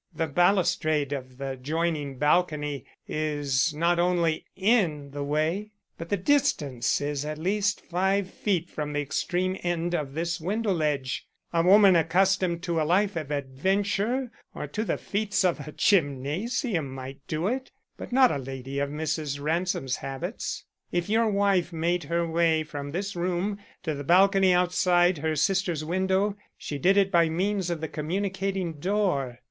"The balustrade of the adjoining balcony is not only in the way, but the distance is at least five feet from the extreme end of this window ledge. A woman accustomed to a life of adventure or to the feats of a gymnasium might do it, but not a lady of Mrs. Ransom's habits. If your wife made her way from this room to the balcony outside her sister's window, she did it by means of the communicating door."